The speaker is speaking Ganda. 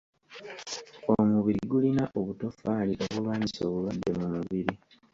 Omubiri gulina obutofaali obulwanyisa obulwadde mu mubiri.